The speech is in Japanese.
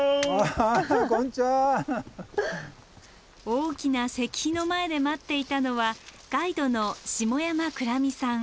大きな石碑の前で待っていたのはガイドの下山倉美さん。